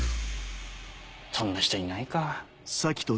そんな人いないかぁ。